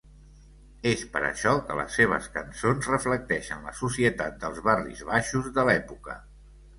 És per això que les seves cançons reflecteixen la societat dels barris baixos de l'època.